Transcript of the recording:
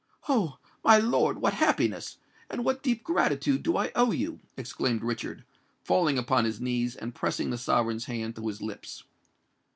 "Oh! my lord—what happiness!—and what deep gratitude do I owe you!" exclaimed Richard, falling upon his knees, and pressing the sovereign's hand to his lips.